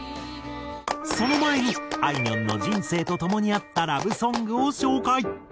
その前にあいみょんの人生とともにあったラブソングを紹介。